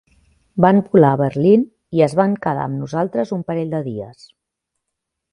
Van volar a Berlín i es van quedar amb nosaltres un parell de dies.